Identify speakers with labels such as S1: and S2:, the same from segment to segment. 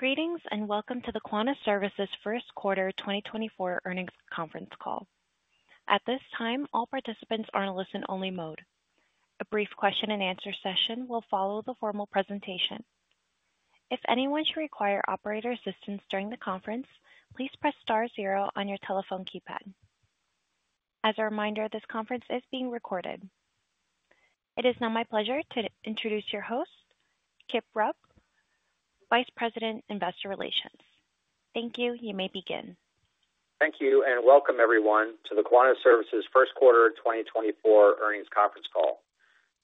S1: Greetings and welcome to the Quanta Services first quarter 2024 earnings conference call. At this time, all participants are in a listen-only mode. A brief question-and-answer session will follow the formal presentation. If anyone should require operator assistance during the conference, please press star zero on your telephone keypad. As a reminder, this conference is being recorded. It is now my pleasure to introduce your host, Kip Rupp, Vice President Investor Relations. Thank you, you may begin.
S2: Thank you and welcome everyone to the Quanta Services first quarter 2024 earnings conference call.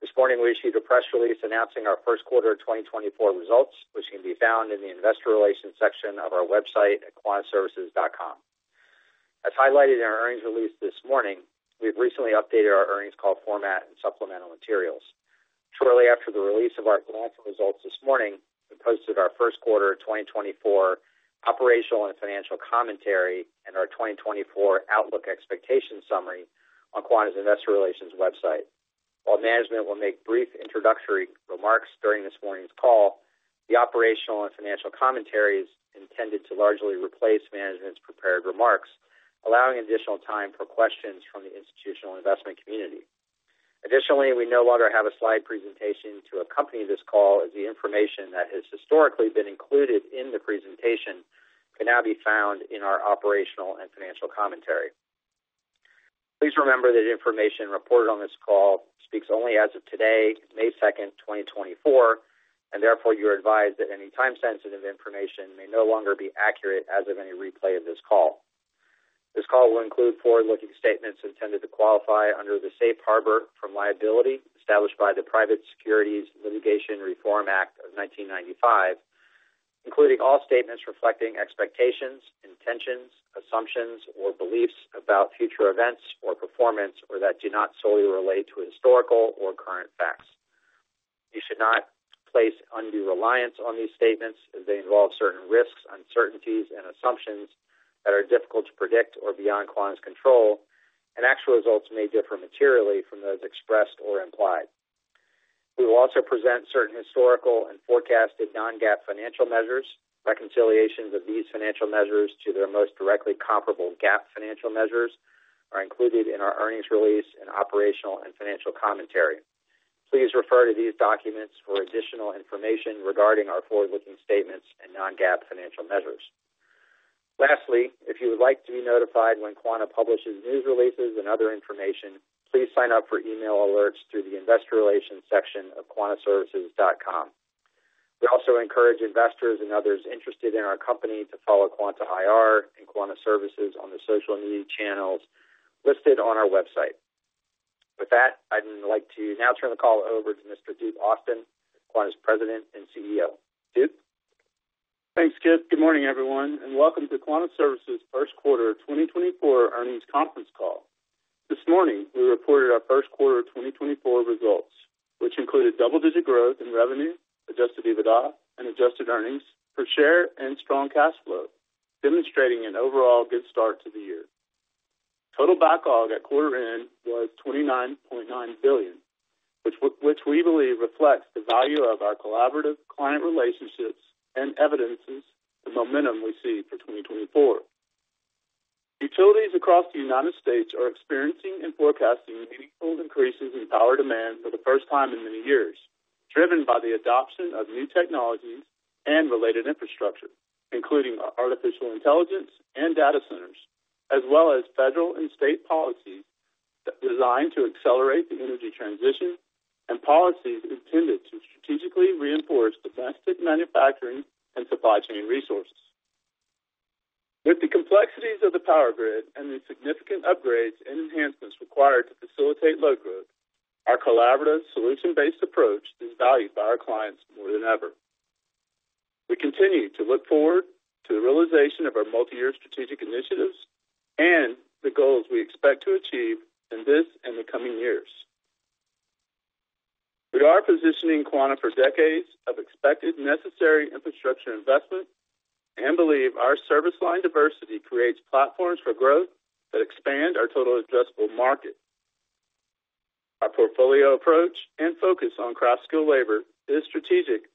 S2: This morning we issue the press release announcing our first quarter 2024 results, which can be found in the Investor Relations section of our website at quantaservices.com. As highlighted in our earnings release this morning, we've recently updated our earnings call format and supplemental materials. Shortly after the release of our financial results this morning, we posted our first quarter 2024 operational and financial commentary and our 2024 outlook expectations summary on Quanta's Investor Relations website. While management will make brief introductory remarks during this morning's call, the operational and financial commentary is intended to largely replace management's prepared remarks, allowing additional time for questions from the institutional investment community. Additionally, we no longer have a slide presentation to accompany this call, as the information that has historically been included in the presentation can now be found in our operational and financial commentary. Please remember that information reported on this call speaks only as of today, May 2nd, 2024, and therefore you are advised that any time-sensitive information may no longer be accurate as of any replay of this call. This call will include forward-looking statements intended to qualify under the Safe Harbor from liability established by the Private Securities Litigation Reform Act of 1995, including all statements reflecting expectations, intentions, assumptions, or beliefs about future events or performance or that do not solely relate to historical or current facts. You should not place undue reliance on these statements as they involve certain risks, uncertainties, and assumptions that are difficult to predict or beyond Quanta's control, and actual results may differ materially from those expressed or implied. We will also present certain historical and forecasted non-GAAP financial measures. Reconciliations of these financial measures to their most directly comparable GAAP financial measures are included in our earnings release and operational and financial commentary. Please refer to these documents for additional information regarding our forward-looking statements and non-GAAP financial measures. Lastly, if you would like to be notified when Quanta publishes news releases and other information, please sign up for email alerts through the Investor Relations section of quantaservices.com. We also encourage investors and others interested in our company to follow Quanta IR and Quanta Services on the social media channels listed on our website. With that, I'd like to now turn the call over to Mr. Duke Austin, Quanta's President and CEO. Duke?
S3: Thanks, Kip. Good morning, everyone, and welcome to Quanta Services first quarter 2024 earnings conference call. This morning we reported our first quarter 2024 results, which included double-digit growth in revenue, Adjusted EBITDA, and Adjusted Earnings Per Share and strong cash flow, demonstrating an overall good start to the year. Total backlog at quarter end was $29.9 billion, which we believe reflects the value of our collaborative client relationships and evidences the momentum we see for 2024. Utilities across the United States are experiencing and forecasting meaningful increases in power demand for the first time in many years, driven by the adoption of new technologies and related infrastructure, including artificial intelligence and data centers, as well as federal and state policies designed to accelerate the energy transition and policies intended to strategically reinforce domestic manufacturing and supply chain resources. With the complexities of the power grid and the significant upgrades and enhancements required to facilitate load growth, our collaborative solution-based approach is valued by our clients more than ever. We continue to look forward to the realization of our multi-year strategic initiatives and the goals we expect to achieve in this and the coming years. We are positioning Quanta for decades of expected necessary infrastructure investment and believe our service line diversity creates platforms for growth that expand our total addressable market. Our portfolio approach and focus on craft skill labor is a strategic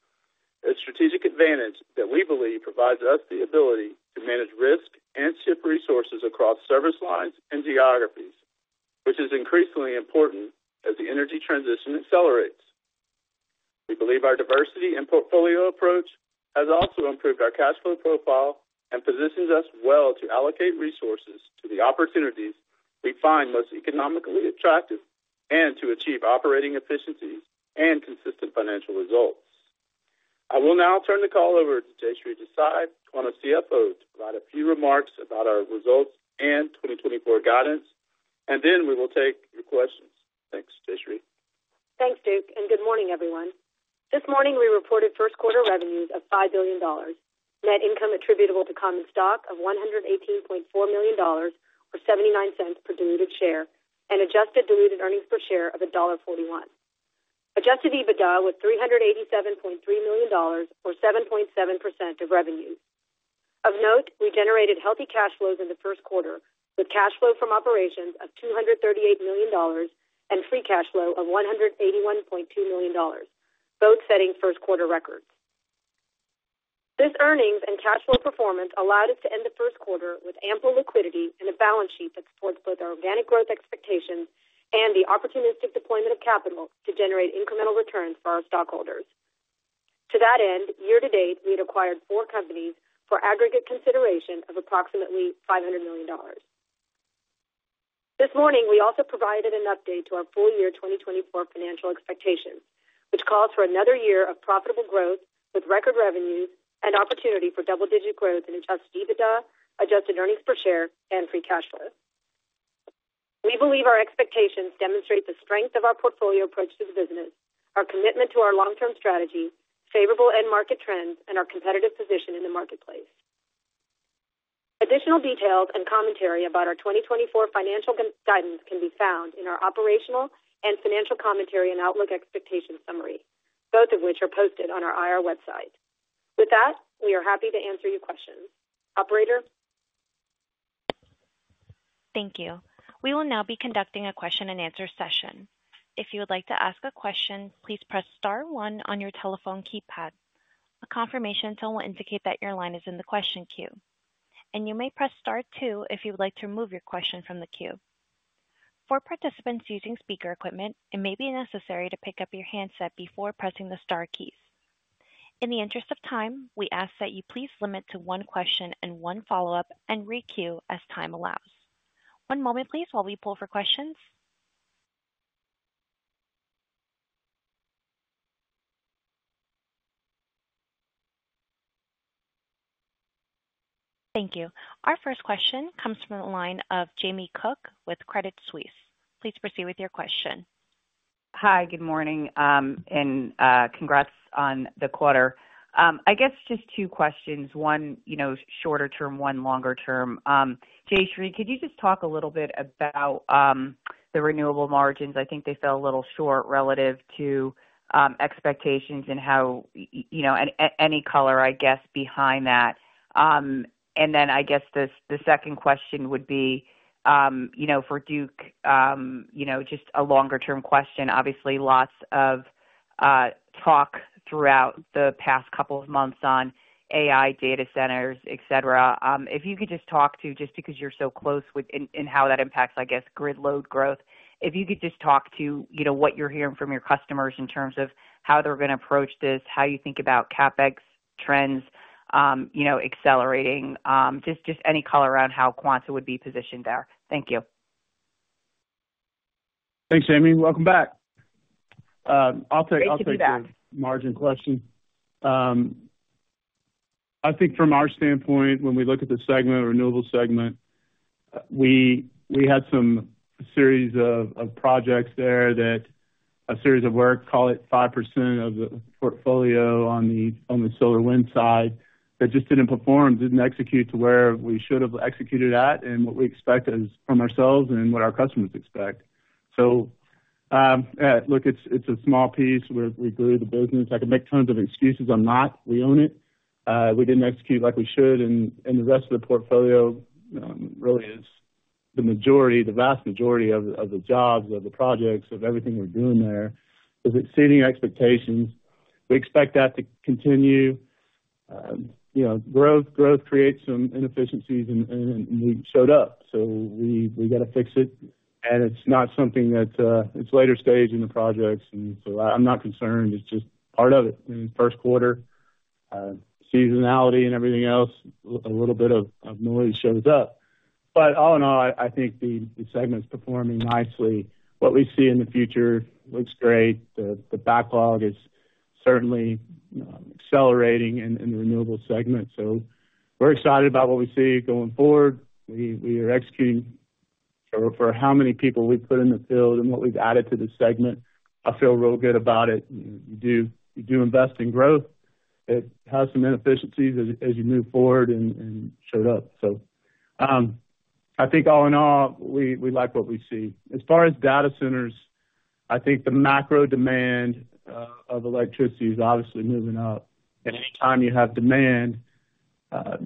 S3: advantage that we believe provides us the ability to manage risk and shift resources across service lines and geographies, which is increasingly important as the energy transition accelerates. We believe our diversity and portfolio approach has also improved our cash flow profile and positions us well to allocate resources to the opportunities we find most economically attractive and to achieve operating efficiencies and consistent financial results. I will now turn the call over to Jayshree Desai, Quanta CFO, to provide a few remarks about our results and 2024 guidance, and then we will take your questions. Thanks, Jayshree.
S4: Thanks, Duke, and good morning, everyone. This morning we reported first quarter revenues of $5 billion, net income attributable to common stock of $118.4 million or $0.79 per diluted share, and adjusted diluted earnings per share of $1.41. Adjusted EBITDA was $387.3 million or 7.7% of revenues. Of note, we generated healthy cash flows in the first quarter with cash flow from operations of $238 million and free cash flow of $181.2 million, both setting first quarter records. This earnings and cash flow performance allowed us to end the first quarter with ample liquidity and a balance sheet that supports both our organic growth expectations and the opportunistic deployment of capital to generate incremental returns for our stockholders. To that end, year to date we had acquired four companies for aggregate consideration of approximately $500 million. This morning we also provided an update to our full year 2024 financial expectations, which calls for another year of profitable growth with record revenues and opportunity for double-digit growth in Adjusted EBITDA, Adjusted Earnings Per Share, and free cash flow. We believe our expectations demonstrate the strength of our portfolio approach to the business, our commitment to our long-term strategy, favorable end-market trends, and our competitive position in the marketplace. Additional details and commentary about our 2024 financial guidance can be found in our Operational and Financial Commentary and Outlook Expectations Summary, both of which are posted on our IR website. With that, we are happy to answer your questions. Operator?
S1: Thank you. We will now be conducting a question-and-answer session. If you would like to ask a question, please press star one on your telephone keypad. A confirmation tone will indicate that your line is in the question queue, and you may press star two if you would like to remove your question from the queue. For participants using speaker equipment, it may be necessary to pick up your handset before pressing the star keys. In the interest of time, we ask that you please limit to one question and one follow-up and re-queue as time allows. One moment, please, while we pull for questions. Thank you. Our first question comes from the line of Jamie Cook with Credit Suisse. Please proceed with your question.
S5: Hi, good morning, and congrats on the quarter. I guess just two questions, one shorter term, one longer term. Jayshree, could you just talk a little bit about the renewable margins? I think they fell a little short relative to expectations and any color, I guess, behind that. And then I guess the second question would be for Duke, just a longer-term question. Obviously, lots of talk throughout the past couple of months on AI, data centers, etc. If you could just talk to, just because you're so close in how that impacts, I guess, grid load growth, if you could just talk to what you're hearing from your customers in terms of how they're going to approach this, how you think about CapEx trends accelerating, just any color around how Quanta would be positioned there. Thank you.
S3: Thanks, Jamie. Welcome back. I'll take the margin question. I think from our standpoint, when we look at the renewable segment, we had some series of projects there, a series of work, call it 5% of the portfolio on the solar wind side, that just didn't perform, didn't execute to where we should have executed at and what we expect from ourselves and what our customers expect. So look, it's a small piece. We grew the business. I can make tons of excuses. I'm not. We own it. We didn't execute like we should, and the rest of the portfolio really is the vast majority of the jobs, of the projects, of everything we're doing there is exceeding expectations. We expect that to continue. Growth creates some inefficiencies, and we showed up. So we got to fix it, and it's not something that it's later stage in the projects, and so I'm not concerned. It's just part of it. In the first quarter, seasonality and everything else, a little bit of noise shows up. But all in all, I think the segment's performing nicely. What we see in the future looks great. The backlog is certainly accelerating in the renewable segment, so we're excited about what we see going forward. We are executing for how many people we put in the field and what we've added to the segment. I feel real good about it. You do invest in growth. It has some inefficiencies as you move forward and showed up. So I think all in all, we like what we see. As far as data centers, I think the macro demand of electricity is obviously moving up. Anytime you have demand,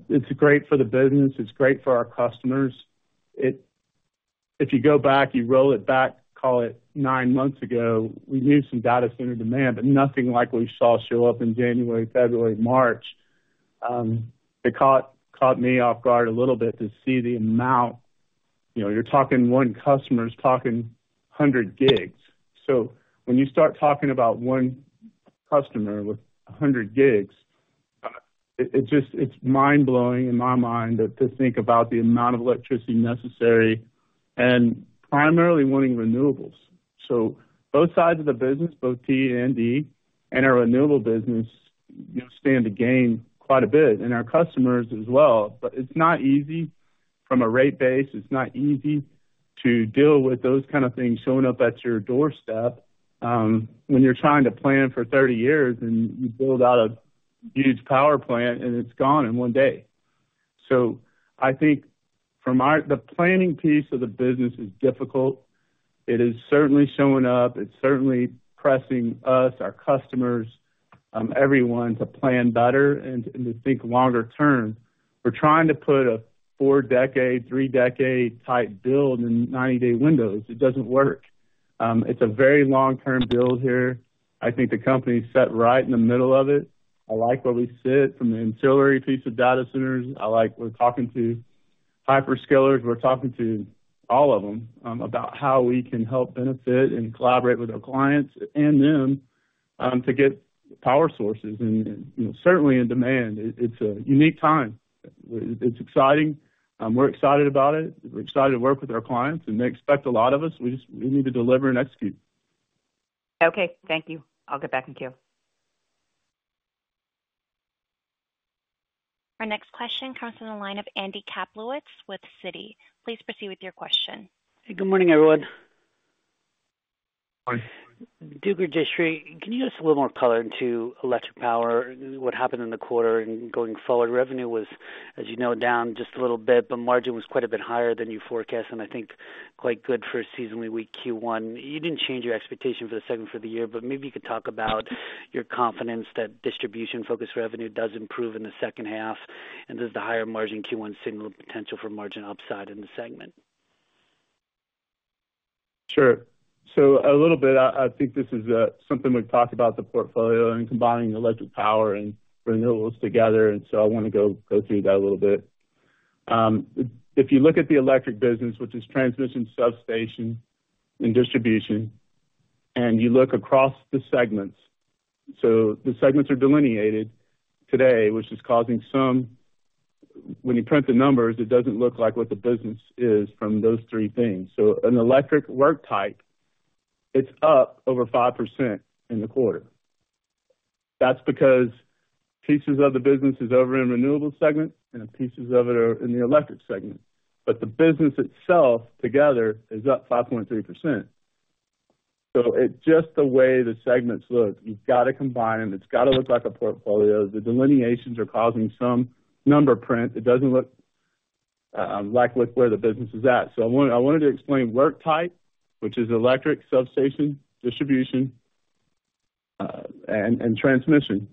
S3: it's great for the business. It's great for our customers. If you go back, you roll it back, call it nine months ago, we knew some data center demand, but nothing like we saw show up in January, February, March. It caught me off guard a little bit to see the amount. You're talking one customer's talking 100 gigs. So when you start talking about one customer with 100 gigs, it's mind-blowing in my mind to think about the amount of electricity necessary and primarily wanting renewables. So both sides of the business, both T and D, and our renewable business stand to gain quite a bit, and our customers as well. But it's not easy from a rate base. It's not easy to deal with those kind of things showing up at your doorstep when you're trying to plan for 30 years, and you build out a huge power plant, and it's gone in one day. So I think the planning piece of the business is difficult. It is certainly showing up. It's certainly pressing us, our customers, everyone, to plan better and to think longer term. We're trying to put a four-decade, three-decade-type build in 90-day windows. It doesn't work. It's a very long-term build here. I think the company's set right in the middle of it. I like where we sit from the ancillary piece of data centers. I like we're talking to hyperscalers. We're talking to all of them about how we can help benefit and collaborate with our clients and them to get power sources, and certainly in demand. It's a unique time. It's exciting. We're excited about it. We're excited to work with our clients, and they expect a lot of us. We need to deliver and execute.
S5: Okay. Thank you. I'll get back in queue.
S1: Our next question comes from the line of Andy Kaplowitz with Citi. Please proceed with your question.
S6: Hey, good morning, everyone.
S3: Morning.
S6: Duke or Jayshree, can you give us a little more color into Electric Power, what happened in the quarter and going forward? Revenue was, as you know, down just a little bit, but margin was quite a bit higher than you forecast, and I think quite good for seasonally weak Q1. You didn't change your expectation for the segment for the year, but maybe you could talk about your confidence that distribution-focused revenue does improve in the second half, and does the higher margin Q1 signal the potential for margin upside in the segment?
S3: Sure. So a little bit, I think this is something we've talked about, the portfolio and combining Electric Power and Renewables together, and so I want to go through that a little bit. If you look at the electric business, which is transmission, substation, and distribution, and you look across the segments, so the segments are delineated today, which is causing some when you print the numbers. It doesn't look like what the business is from those three things. So an electric work type, it's up over 5% in the quarter. That's because pieces of the business is over in Renewables segment, and pieces of it are in the Electric Power segment. But the business itself together is up 5.3%. So just the way the segments look, you've got to combine them. It's got to look like a portfolio. The delineations are causing some number print. It doesn't look like where the business is at. So I wanted to explain work type, which is electric, substation, distribution, and transmission,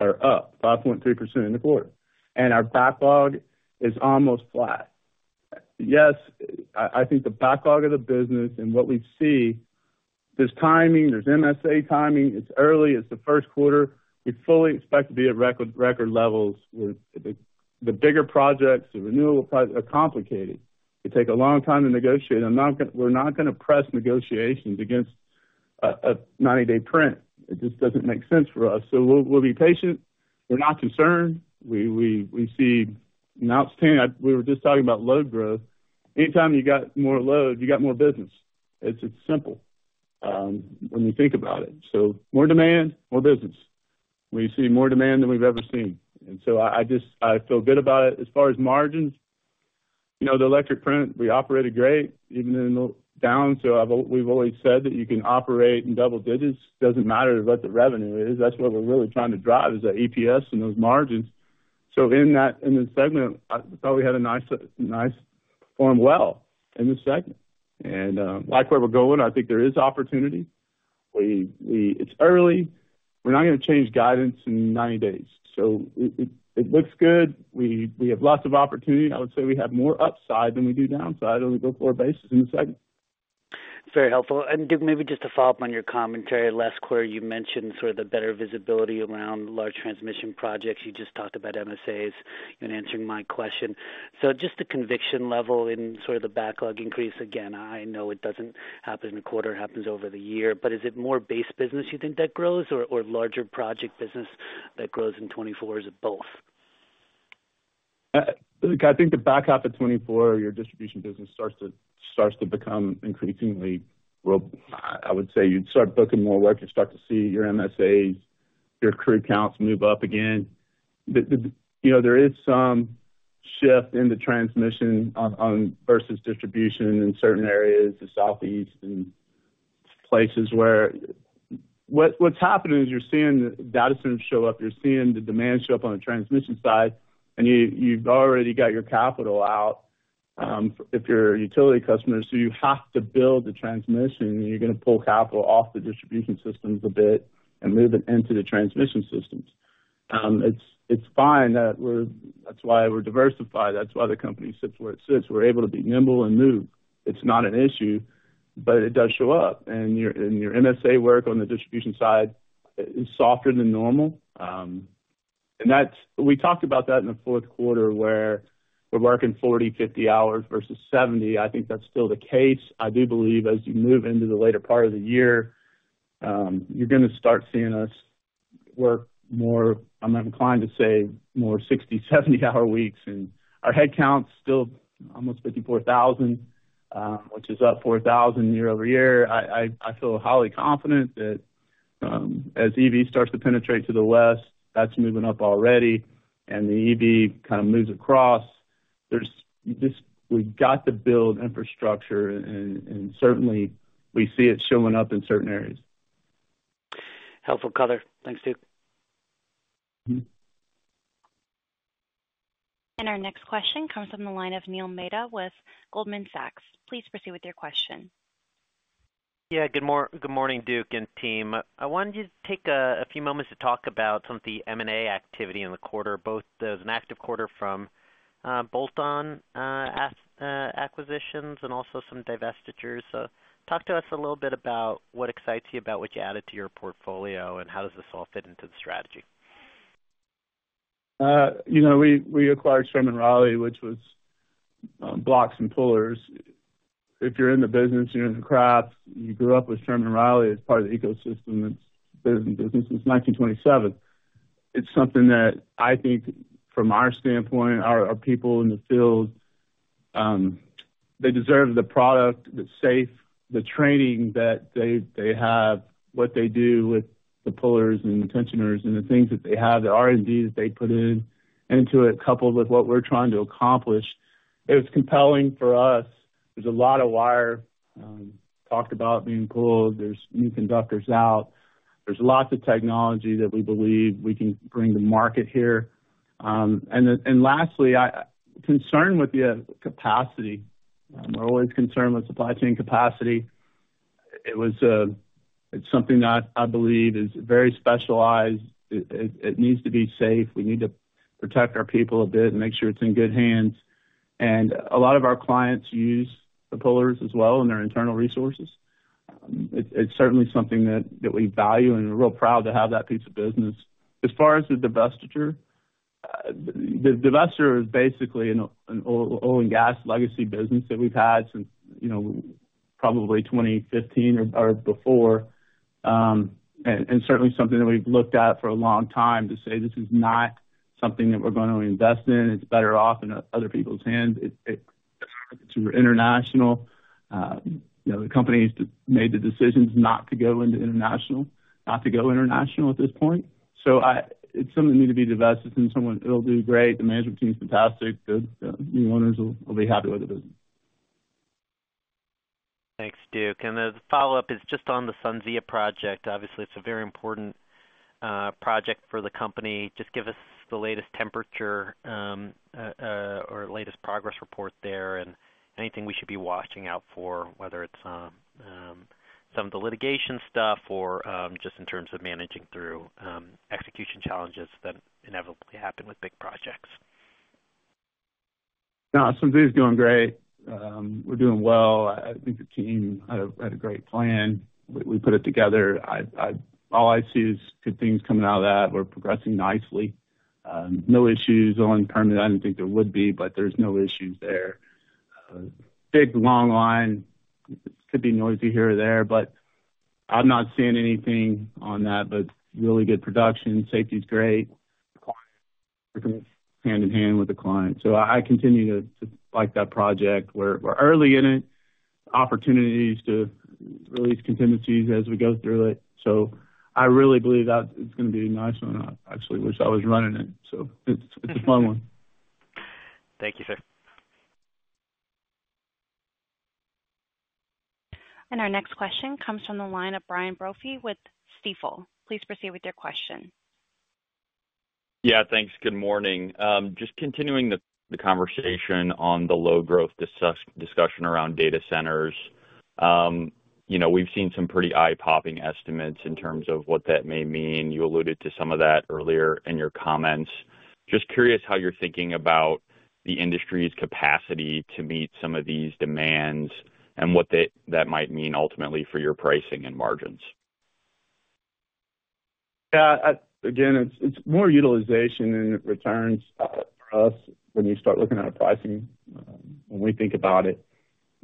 S3: are up 5.3% in the quarter. Our backlog is almost flat. Yes, I think the backlog of the business and what we see, there's timing. There's MSA timing. It's early. It's the first quarter. We fully expect to be at record levels. The bigger projects, the renewable projects, are complicated. It takes a long time to negotiate. We're not going to press negotiations against a 90-day print. It just doesn't make sense for us. So we'll be patient. We're not concerned. We see an outstanding we were just talking about load growth. Anytime you got more load, you got more business. It's simple when you think about it. So more demand, more business. We see more demand than we've ever seen. I feel good about it. As far as margins, the Electric segment, we operated great even in the downturn. We've always said that you can operate in double digits. It doesn't matter what the revenue is. That's what we're really trying to drive, is that EPS and those margins. In the segment, I thought we had performed well in the segment. And like where we're going, I think there is opportunity. It's early. We're not going to change guidance in 90 days. It looks good. We have lots of opportunity. I would say we have more upside than we do downside on the go-forward basis in the segment.
S6: Very helpful. And Duke, maybe just to follow up on your commentary, last quarter, you mentioned sort of the better visibility around large transmission projects. You just talked about MSAs and answering my question. So just the conviction level in sort of the backlog increase, again, I know it doesn't happen in a quarter. It happens over the year. But is it more base business you think that grows or larger project business that grows in 2024 or both?
S3: Look, I think the back half of 2024, your distribution business starts to become increasingly. I would say you'd start booking more work. You start to see your MSAs, your crew counts move up again. There is some shift in the transmission versus distribution in certain areas, the Southeast and places where what's happening is you're seeing the data centers show up. You're seeing the demand show up on the transmission side, and you've already got your capital out if you're utility customers. So you have to build the transmission, and you're going to pull capital off the distribution systems a bit and move it into the transmission systems. It's fine. That's why we're diversified. That's why the company sits where it sits. We're able to be nimble and move. It's not an issue, but it does show up. And your MSA work on the distribution side is softer than normal. And we talked about that in the fourth quarter where we're working 40-50 hours versus 70. I think that's still the case. I do believe as you move into the later part of the year, you're going to start seeing us work more. I'm inclined to say more 60-70-hour weeks. And our headcount's still almost 54,000, which is up 4,000 year-over-year. I feel highly confident that as EV starts to penetrate to the West, that's moving up already, and the EV kind of moves across. We've got to build infrastructure, and certainly, we see it showing up in certain areas.
S6: Helpful color. Thanks, Duke.
S1: Our next question comes from the line of Neil Mehta with Goldman Sachs. Please proceed with your question.
S7: Yeah. Good morning, Duke and team. I wanted you to take a few moments to talk about some of the M&A activity in the quarter, both an active quarter for bolt-on acquisitions and also some divestitures. So talk to us a little bit about what excites you about what you added to your portfolio, and how does this all fit into the strategy?
S3: We acquired Sherman+Reilly, which was blocks and pullers. If you're in the business, you're in the craft. You grew up with Sherman+Reilly as part of the ecosystem. It's been in business since 1927. It's something that I think, from our standpoint, our people in the field, they deserve the product. It's safe. The training that they have, what they do with the pullers and tensioners and the things that they have, the R&D that they put into it, coupled with what we're trying to accomplish, it was compelling for us. There's a lot of wire talked about being pulled. There's new conductors out. There's lots of technology that we believe we can bring to market here. And lastly, concern with the capacity. We're always concerned with supply chain capacity. It's something that I believe is very specialized. It needs to be safe. We need to protect our people a bit and make sure it's in good hands. And a lot of our clients use the pullers as well in their internal resources. It's certainly something that we value, and we're real proud to have that piece of business. As far as the divestiture, the divestiture is basically an oil and gas legacy business that we've had since probably 2015 or before, and certainly something that we've looked at for a long time to say, "This is not something that we're going to invest in. It's better off in other people's hands." It's international. The company made the decisions not to go into international, not to go international at this point. So it's something that needs to be divested from someone. It'll do great. The management team's fantastic. The new owners will be happy with the business.
S7: Thanks, Duke. And the follow-up is just on the SunZia project. Obviously, it's a very important project for the company. Just give us the latest temperature or latest progress report there and anything we should be watching out for, whether it's some of the litigation stuff or just in terms of managing through execution challenges that inevitably happen with big projects.
S3: SunZia's doing great. We're doing well. I think the team had a great plan. We put it together. All I see is good things coming out of that. We're progressing nicely. No issues on permit. I didn't think there would be, but there's no issues there. Big long line. It could be noisy here or there, but I'm not seeing anything on that, but really good production. Safety's great. Clients working hand in hand with the client. So I continue to like that project. We're early in it. Opportunities to release contingencies as we go through it. So I really believe that it's going to be a nice one. I actually wish I was running it. So it's a fun one.
S7: Thank you, sir.
S1: Our next question comes from the line of Brian Brophy with Stifel. Please proceed with your question.
S8: Yeah. Thanks. Good morning. Just continuing the conversation on the load-growth discussion around data centers, we've seen some pretty eye-popping estimates in terms of what that may mean. You alluded to some of that earlier in your comments. Just curious how you're thinking about the industry's capacity to meet some of these demands and what that might mean ultimately for your pricing and margins.
S3: Yeah. Again, it's more utilization and returns for us when you start looking at a pricing. When we think about it,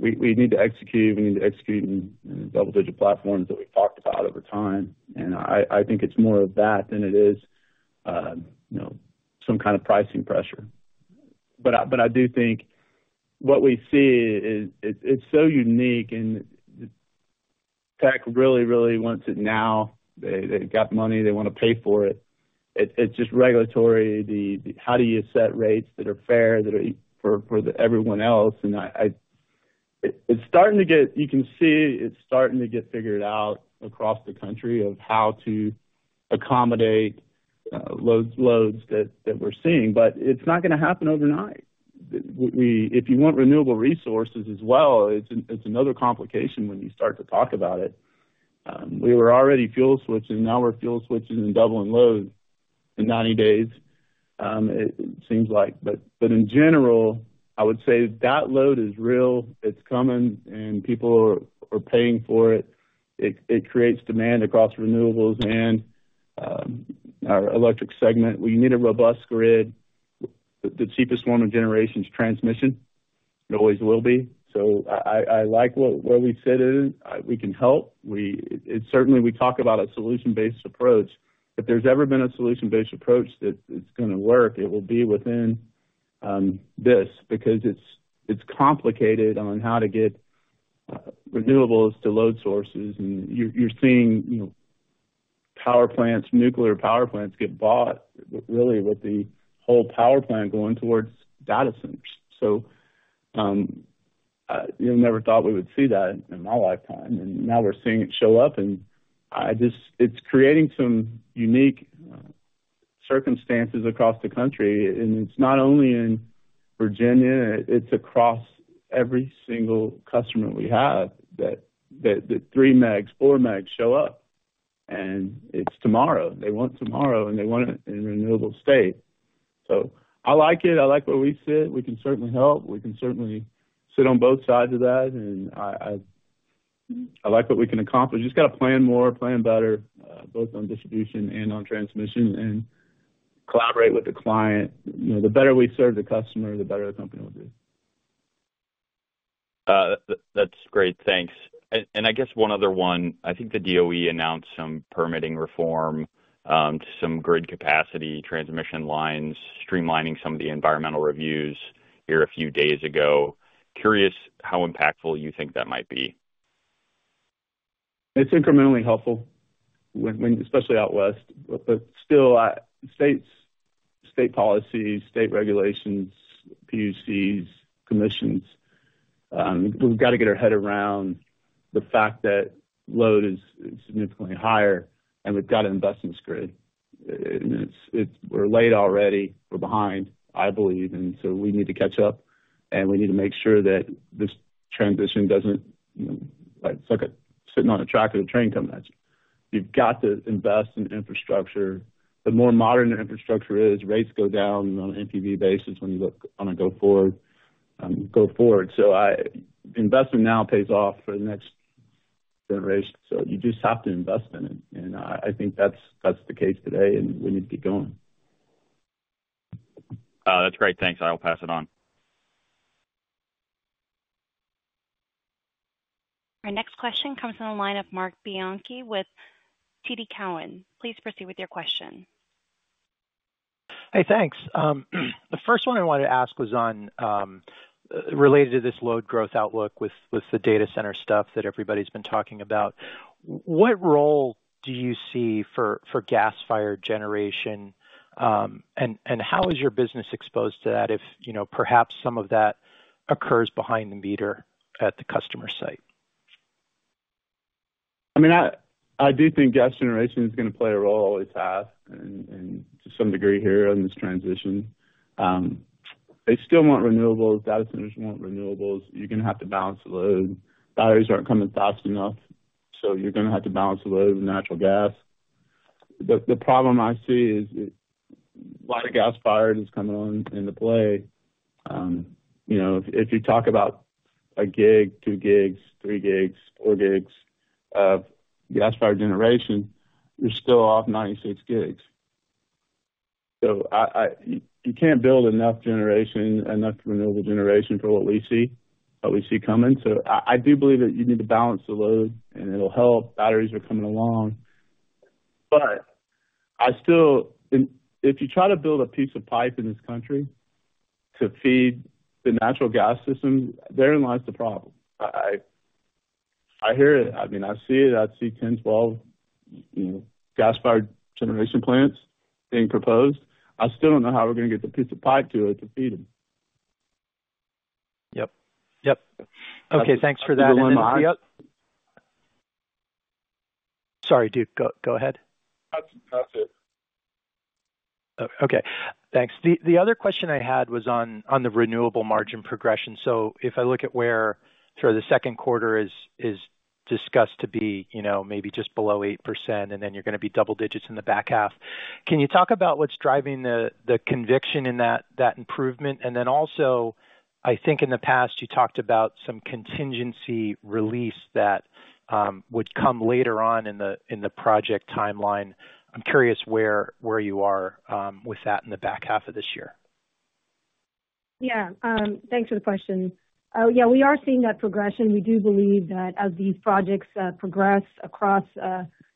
S3: we need to execute. We need to execute in double-digit platforms that we've talked about over time. And I think it's more of that than it is some kind of pricing pressure. But I do think what we see is it's so unique, and the tech really, really wants it now. They've got money. They want to pay for it. It's just regulatory. How do you set rates that are fair for everyone else? And you can see it's starting to get figured out across the country of how to accommodate loads that we're seeing, but it's not going to happen overnight. If you want renewable resources as well, it's another complication when you start to talk about it. We were already fuel switching. Now we're fuel switching and doubling loads in 90 days, it seems like. But in general, I would say that load is real. It's coming, and people are paying for it. It creates demand across renewables and our electric segment. We need a robust grid. The cheapest form of generation is transmission. It always will be. So I like where we sit in. We can help. Certainly, we talk about a solution-based approach. If there's ever been a solution-based approach that it's going to work, it will be within this because it's complicated on how to get renewables to load sources. And you're seeing power plants, nuclear power plants get bought, really, with the whole power plant going towards data centers. So I never thought we would see that in my lifetime. And now we're seeing it show up. And it's creating some unique circumstances across the country. It's not only in Virginia. It's across every single customer we have that 3 megs, 4 megs show up. And it's tomorrow. They want tomorrow, and they want it in renewable state. So I like it. I like where we sit. We can certainly help. We can certainly sit on both sides of that. And I like what we can accomplish. You just got to plan more, plan better, both on distribution and on transmission, and collaborate with the client. The better we serve the customer, the better the company will do.
S8: That's great. Thanks. And I guess one other one. I think the DOE announced some permitting reform to some grid capacity, transmission lines, streamlining some of the environmental reviews here a few days ago. Curious how impactful you think that might be?
S3: It's incrementally helpful, especially out West. But still, state policies, state regulations, PUCs, commissions, we've got to get our head around the fact that load is significantly higher, and we've got to invest in this grid. I mean, we're late already. We're behind, I believe. And so we need to catch up, and we need to make sure that this transition doesn't sit on a track of the train coming at you. You've got to invest in infrastructure. The more modern infrastructure is, rates go down on an NPV basis when you look on a go-forward. So investment now pays off for the next generation. So you just have to invest in it. And I think that's the case today, and we need to get going.
S8: That's great. Thanks. I will pass it on.
S1: Our next question comes from the line of Marc Bianchi with TD Cowen. Please proceed with your question.
S9: Hey, thanks. The first one I wanted to ask was related to this load growth outlook with the data center stuff that everybody's been talking about. What role do you see for gas-fired generation, and how is your business exposed to that if perhaps some of that occurs behind the meter at the customer site?
S3: I mean, I do think gas generation is going to play a role always have and to some degree here in this transition. They still want renewables. Data centers want renewables. You're going to have to balance the load. Batteries aren't coming fast enough, so you're going to have to balance the load with natural gas. The problem I see is a lot of gas-fired is coming on into play. If you talk about a gig, two gigs, three gigs, four gigs of gas-fired generation, you're still off 96 gigs. So you can't build enough generation, enough renewable generation for what we see, what we see coming. So I do believe that you need to balance the load, and it'll help. Batteries are coming along. But if you try to build a piece of pipe in this country to feed the natural gas system, therein lies the problem. I hear it. I mean, I see it. I see 10, 12 gas-fired generation plants being proposed. I still don't know how we're going to get the piece of pipe to it to feed them.
S9: Yep. Yep. Okay. Thanks for that, NCS. Sorry, Duke. Go ahead.
S3: That's it.
S9: Okay. Thanks. The other question I had was on the renewable margin progression. So if I look at where sort of the second quarter is discussed to be maybe just below 8%, and then you're going to be double digits in the back half, can you talk about what's driving the conviction in that improvement? And then also, I think in the past, you talked about some contingency release that would come later on in the project timeline. I'm curious where you are with that in the back half of this year.
S4: Yeah. Thanks for the question. Yeah, we are seeing that progression. We do believe that as these projects progress across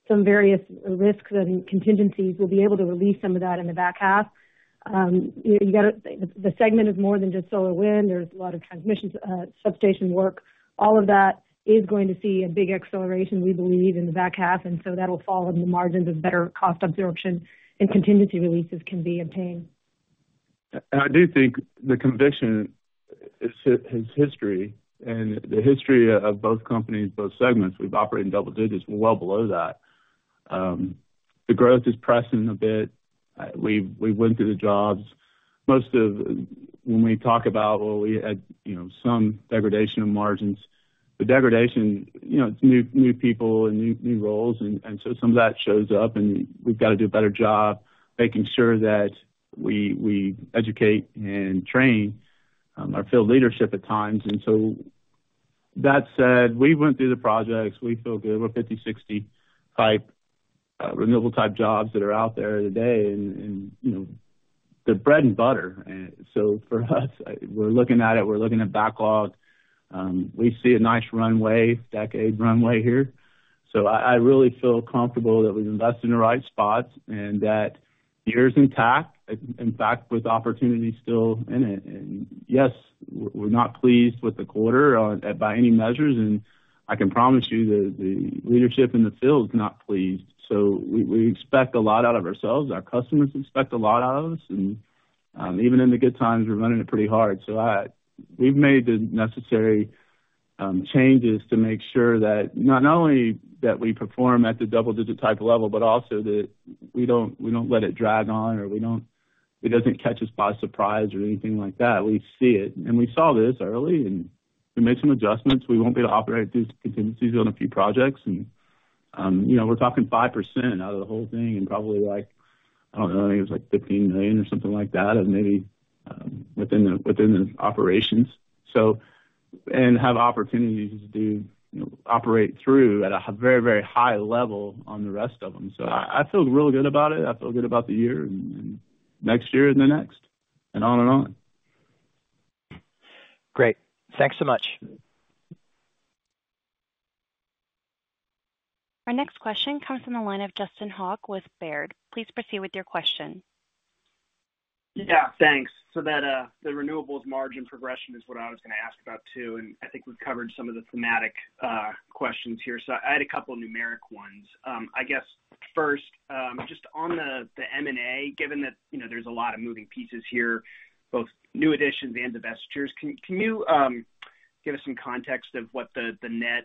S4: some various risks and contingencies, we'll be able to release some of that in the back half. The segment is more than just solar wind. There's a lot of transmission substation work. All of that is going to see a big acceleration, we believe, in the back half. And so that'll fall in the margins of better cost absorption, and contingency releases can be obtained.
S3: And I do think the conviction is history, and the history of both companies, both segments. We've operated in double digits. We're well below that. The growth is pressing a bit. We went through the jobs. Most of when we talk about, "Well, we had some degradation of margins," the degradation, it's new people and new roles. And so some of that shows up, and we've got to do a better job making sure that we educate and train our field leadership at times. And so that said, we went through the projects. We feel good. We're 50-60 renewable-type jobs that are out there today, and they're bread and butter. So for us, we're looking at it. We're looking at backlog. We see a nice runway, decade runway here. So I really feel comfortable that we've invested in the right spot and that year's intact, in fact, with opportunity still in it. And yes, we're not pleased with the quarter by any measures. And I can promise you the leadership in the field is not pleased. So we expect a lot out of ourselves. Our customers expect a lot out of us. And even in the good times, we're running it pretty hard. So we've made the necessary changes to make sure that not only that we perform at the double-digit type level, but also that we don't let it drag on, or it doesn't catch us by surprise or anything like that. We see it. And we saw this early, and we made some adjustments. We won't be able to operate these contingencies on a few projects. And we're talking 5% out of the whole thing and probably like I don't know. I think it was like $15 million or something like that within the operations and have opportunities to operate through at a very, very high level on the rest of them. So I feel really good about it. I feel good about the year and next year and the next and on and on.
S9: Great. Thanks so much.
S1: Our next question comes from the line of Justin Hauke with Baird. Please proceed with your question.
S10: Yeah. Thanks. So the renewables margin progression is what I was going to ask about too. And I think we've covered some of the thematic questions here. So I had a couple of numeric ones. I guess first, just on the M&A, given that there's a lot of moving pieces here, both new additions and divestitures, can you give us some context of what the net kind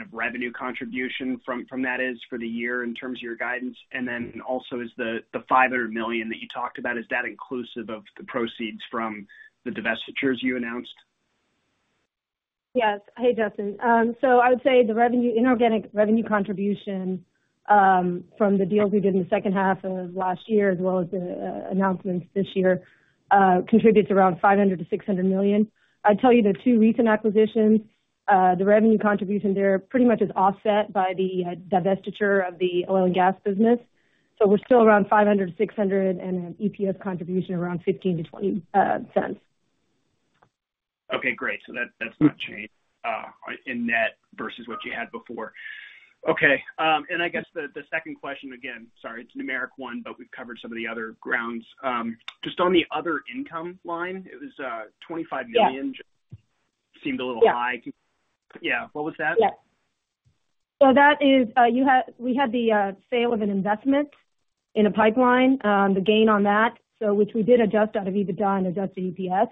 S10: of revenue contribution from that is for the year in terms of your guidance? And then also, is the $500 million that you talked about, is that inclusive of the proceeds from the divestitures you announced?
S4: Yes. Hey, Justin. So I would say the inorganic revenue contribution from the deals we did in the second half of last year, as well as the announcements this year, contributes around $500 million-$600 million. I'd tell you the two recent acquisitions, the revenue contribution there pretty much is offset by the divestiture of the oil and gas business. So we're still around $500 million-$600 million and an EPS contribution around $0.15-$0.20.
S10: Okay. Great. So that's not changed in net versus what you had before. Okay. And I guess the second question, again, sorry, it's a numeric one, but we've covered some of the other grounds. Just on the other income line, it was $25 million. It seemed a little high. Yeah. What was that?
S4: Yeah. So we had the sale of an investment in a pipeline, the gain on that, which we did adjust out of EBITDA and adjust the EPS.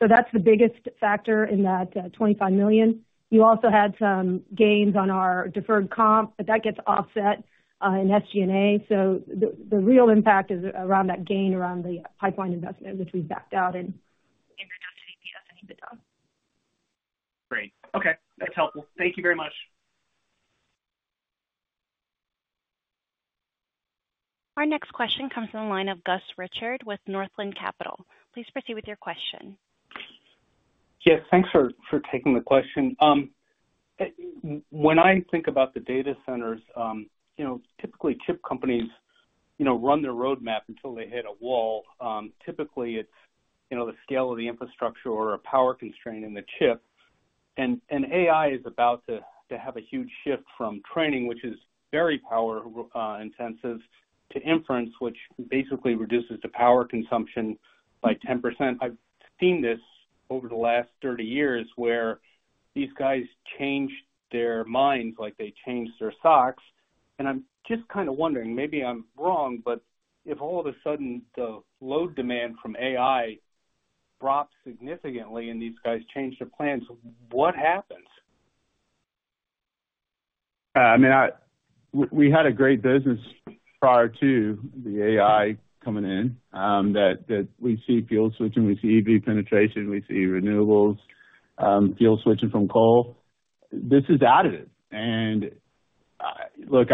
S4: So that's the biggest factor in that $25 million. You also had some gains on our deferred comp, but that gets offset in SG&A. So the real impact is around that gain around the pipeline investment, which we've backed out in reduced EPS and EBITDA.
S10: Great. Okay. That's helpful. Thank you very much.
S1: Our next question comes from the line of Gus Richard with Northland Capital Markets. Please proceed with your question.
S11: Yes. Thanks for taking the question. When I think about the data centers, typically, chip companies run their roadmap until they hit a wall. Typically, it's the scale of the infrastructure or a power constraint in the chip. And AI is about to have a huge shift from training, which is very power-intensive, to inference, which basically reduces the power consumption by 10%. I've seen this over the last 30 years where these guys changed their minds like they changed their socks. And I'm just kind of wondering. Maybe I'm wrong, but if all of a sudden, the load demand from AI drops significantly and these guys change their plans, what happens?
S3: I mean, we had a great business prior to the AI coming in that we see fuel switching. We see EV penetration. We see renewables fuel switching from coal. This is additive. And look,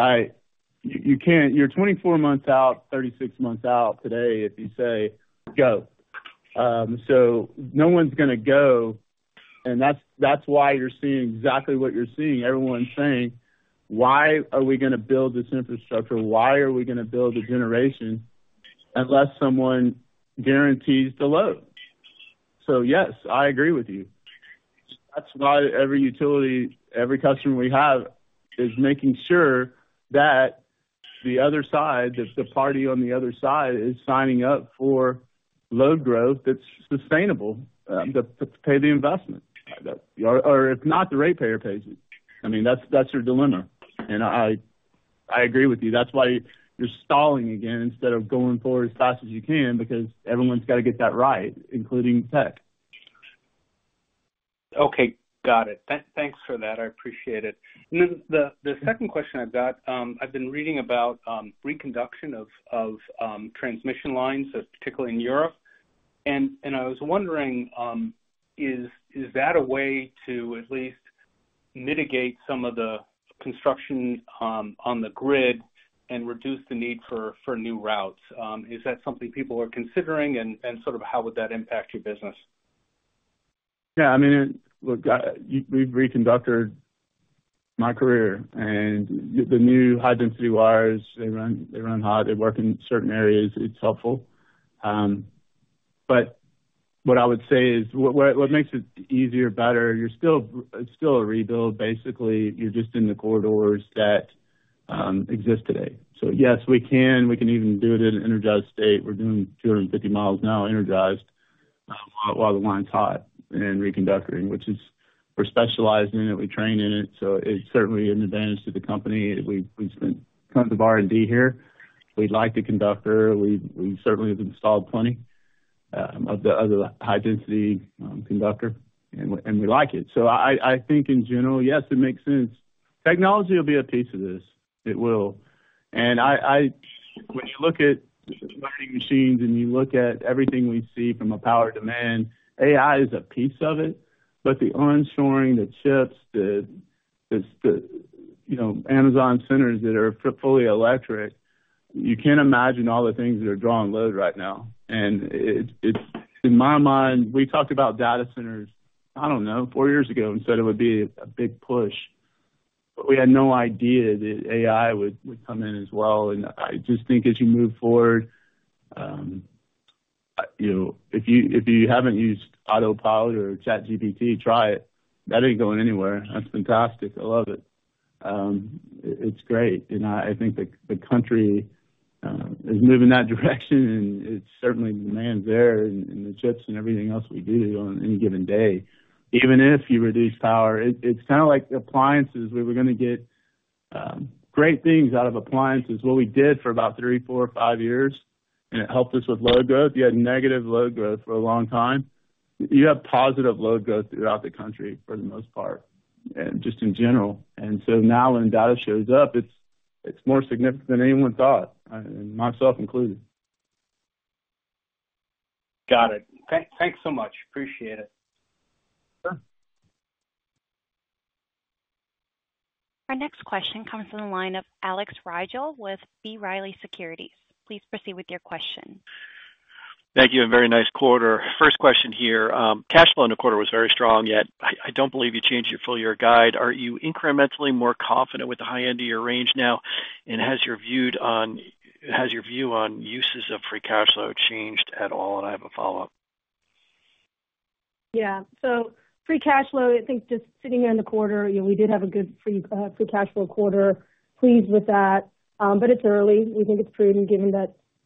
S3: you're 24 months out, 36 months out today if you say, "Go." So no one's going to go. And that's why you're seeing exactly what you're seeing. Everyone's saying, "Why are we going to build this infrastructure? Why are we going to build the generation unless someone guarantees the load?" So yes, I agree with you. That's why every utility, every customer we have is making sure that the other side, the party on the other side, is signing up for load growth that's sustainable to pay the investment, or if not, the ratepayer pays it. I mean, that's your dilemma. And I agree with you. That's why you're stalling again instead of going forward as fast as you can because everyone's got to get that right, including tech.
S11: Okay. Got it. Thanks for that. I appreciate it. And then the second question I've got, I've been reading about reconductoring of transmission lines, particularly in Europe. And I was wondering, is that a way to at least mitigate some of the construction on the grid and reduce the need for new routes? Is that something people are considering, and sort of how would that impact your business?
S3: Yeah. I mean, look, we've reconductored my career, and the new high-density wires, they run hot. They work in certain areas. It's helpful. But what I would say is what makes it easier, better, it's still a rebuild, basically. You're just in the corridors that exist today. So yes, we can. We can even do it in an energized state. We're doing 250 miles now energized while the line's hot and reconductoring, which is we're specialized in it. We train in it. So it's certainly an advantage to the company. We've spent tons of R&D here. We'd like the conductor. We certainly have installed plenty of the other high-density conductor, and we like it. So I think in general, yes, it makes sense. Technology will be a piece of this. It will. And when you look at learning machines and you look at everything we see from a power demand, AI is a piece of it. But the onshoring, the chips, the Amazon centers that are fully electric, you can't imagine all the things that are drawing load right now. And in my mind, we talked about data centers, I don't know, four years ago and said it would be a big push. But we had no idea that AI would come in as well. And I just think as you move forward, if you haven't used Autopilot or ChatGPT, try it. That ain't going anywhere. That's fantastic. I love it. It's great. And I think the country is moving that direction, and it certainly demands there in the chips and everything else we do on any given day. Even if you reduce power, it's kind of like appliances. We were going to get great things out of appliances. What we did for about 3, 4, 5 years, and it helped us with load growth. You had negative load growth for a long time. You have positive load growth throughout the country for the most part and just in general. And so now when data shows up, it's more significant than anyone thought, myself included.
S11: Got it. Thanks so much. Appreciate it.
S1: Our next question comes from the line of Alex Rygiel with B. Riley Securities. Please proceed with your question.
S12: Thank you. A very nice quarter. First question here. Cash flow in the quarter was very strong, yet I don't believe you changed your full year guide. Are you incrementally more confident with the high end of your range now? And has your view on uses of free cash flow changed at all? I have a follow-up.
S4: Yeah. So free cash flow, I think just sitting here in the quarter, we did have a good free cash flow quarter. Pleased with that. But it's early. We think it's prudent given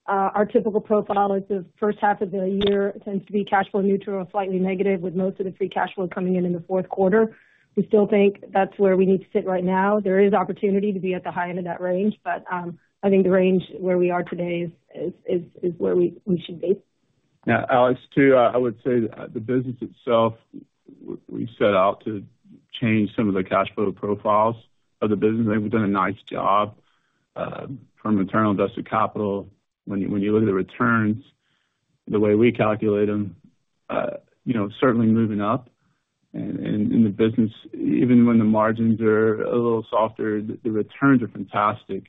S4: that our typical profile is the first half of the year tends to be cash flow neutral or slightly negative, with most of the free cash flow coming in in the fourth quarter. We still think that's where we need to sit right now. There is opportunity to be at the high end of that range, but I think the range where we are today is where we should be.
S3: Yeah. Alex, too, I would say the business itself, we set out to change some of the cash flow profiles of the business. I think we've done a nice job from internal invested capital. When you look at the returns, the way we calculate them, certainly moving up. And in the business, even when the margins are a little softer, the returns are fantastic.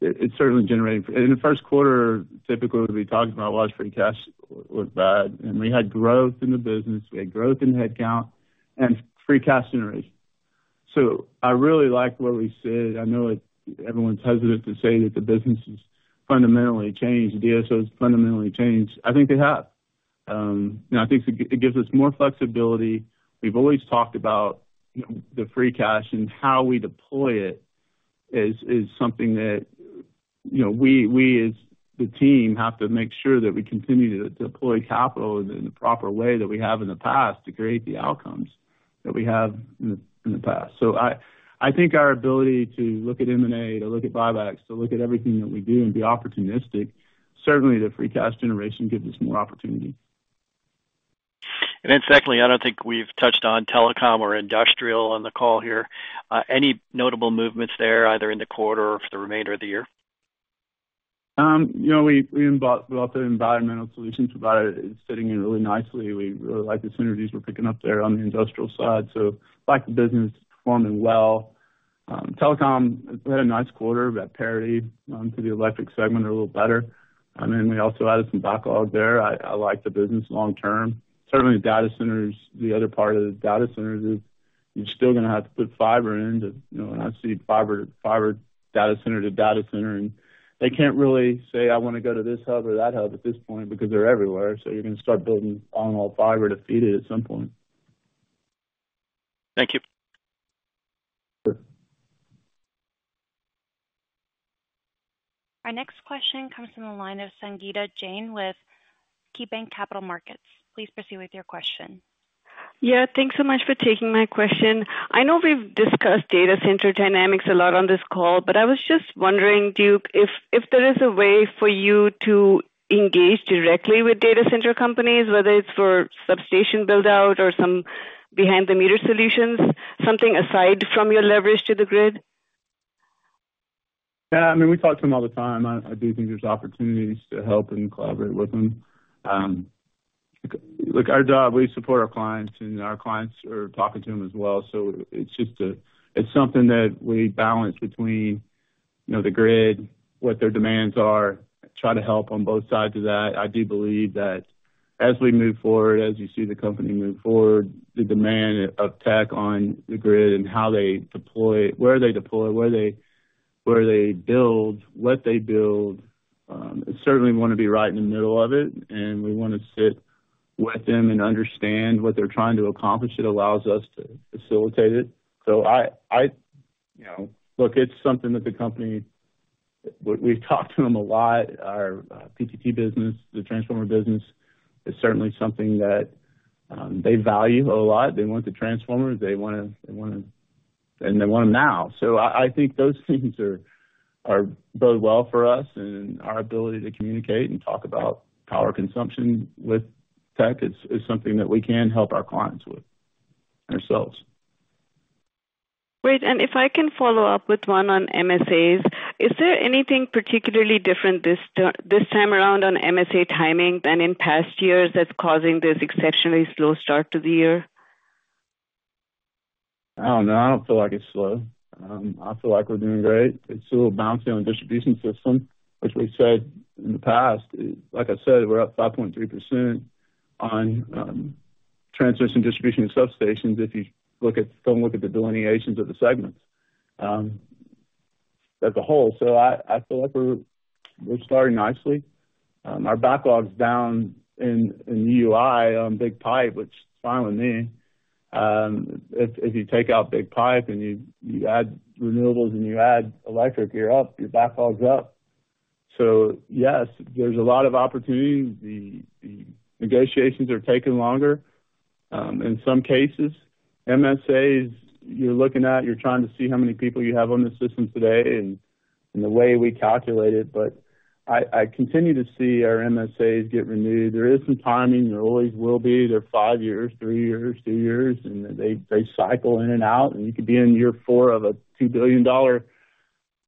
S3: It's certainly generating in the first quarter, typically, what we talked about was free cash looked bad. And we had growth in the business. We had growth in headcount and free cash generation. So I really like where we sit. I know everyone's hesitant to say that the business has fundamentally changed. DSO has fundamentally changed. I think they have. I think it gives us more flexibility. We've always talked about the free cash and how we deploy it is something that we, as the team, have to make sure that we continue to deploy capital in the proper way that we have in the past to create the outcomes that we have in the past. So I think our ability to look at M&A, to look at buybacks, to look at everything that we do and be opportunistic; certainly the free cash generation gives us more opportunity.
S12: And then secondly, I don't think we've touched on telecom or industrial on the call here. Any notable movements there, either in the quarter or for the remainder of the year?
S3: We also have environmental solutions provider. It's sitting in really nicely. We really like the synergies we're picking up there on the industrial side. So I like the business performing well. Telecom, we had a nice quarter at parity to the electric segment a little better. And then we also added some backlog there. I like the business long term. Certainly, the other part of the data centers is you're still going to have to put fiber in. And I see fiber data center to data center. And they can't really say, "I want to go to this hub or that hub at this point," because they're everywhere. So you're going to start building all in all fiber to feed it at some point.
S12: Thank you.
S1: Our next question comes from the line of Sangita Jain with KeyBanc Capital Markets. Please proceed with your question.
S13: Yeah. Thanks so much for taking my question. I know we've discussed data center dynamics a lot on this call, but I was just wondering, Duke, if there is a way for you to engage directly with data center companies, whether it's for substation buildout or some behind-the-meter solutions, something aside from your leverage to the grid?
S3: Yeah. I mean, we talk to them all the time. I do think there's opportunities to help and collaborate with them. Look, our job, we support our clients, and our clients are talking to them as well. So it's something that we balance between the grid, what their demands are, try to help on both sides of that. I do believe that as we move forward, as you see the company move forward, the demand of tech on the grid and how they deploy it, where they deploy, where they build, what they build, it certainly want to be right in the middle of it. And we want to sit with them and understand what they're trying to accomplish. It allows us to facilitate it. So, look, it's something that the company we've talked to them a lot, our PTT business, the transformer business, is certainly something that they value a lot. They want the transformer. They want to and they want them now. So, I think those things are bode well for us. And our ability to communicate and talk about power consumption with tech is something that we can help our clients with ourselves.
S13: Great. If I can follow up with one on MSAs, is there anything particularly different this time around on MSA timing than in past years that's causing this exceptionally slow start to the year?
S3: I don't know. I don't feel like it's slow. I feel like we're doing great. It's a little bouncing on distribution system, which we've said in the past. Like I said, we're up 5.3% on transmission, distribution, and substations if you don't look at the delineations of the segments as a whole. So I feel like we're starting nicely. Our backlog is down in the UI on big pipe, which is fine with me. If you take out Big Pipe and you add renewables and you add electric, you're up. Your backlog is up. So yes, there's a lot of opportunity. The negotiations are taking longer. In some cases, MSAs, you're looking at you're trying to see how many people you have on the system today and the way we calculate it. But I continue to see our MSAs get renewed. There is some timing. There always will be. They're 5 years, 3 years, 2 years. And they cycle in and out. And you could be in year 4 of a $2 billion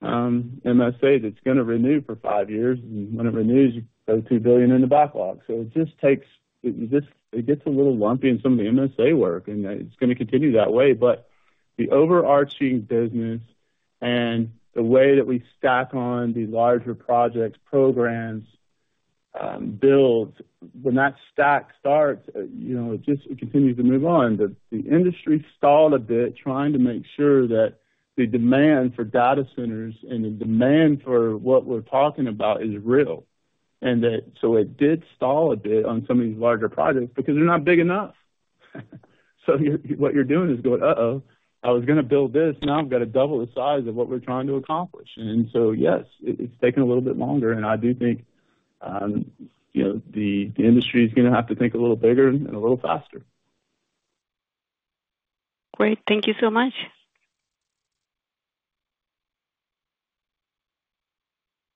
S3: MSA that's going to renew for 5 years. And when it renews, you go $2 billion in the backlog. So it just takes it gets a little lumpy in some of the MSA work, and it's going to continue that way. But the overarching business and the way that we stack on the larger projects, programs, builds, when that stack starts, it continues to move on. The industry stalled a bit trying to make sure that the demand for data centers and the demand for what we're talking about is real. And so it did stall a bit on some of these larger projects because they're not big enough. So what you're doing is going, "Uh-oh. I was going to build this. Now I've got to double the size of what we're trying to accomplish." So yes, it's taken a little bit longer. I do think the industry is going to have to think a little bigger and a little faster.
S13: Great. Thank you so much.